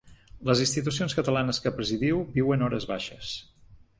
Les institucions catalanes que presidiu viuen hores baixes.